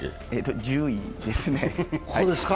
１０位ですね。